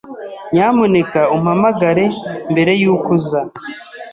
Nyamuneka umpamagare mbere yuko uza.